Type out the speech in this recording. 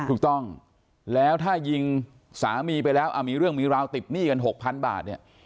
ถูกต้องแล้วถ้ายิงสามีไปแล้วมีเรื่องมีราวติดหนี้กัน๖๐๐๐บาทเนี่ย